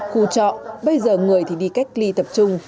khu trọ bây giờ người thì đi cách ly tập trung